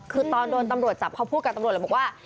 คือตอนโดนตำรวจจับเขาพูดกับตำรวจเลยบอกว่า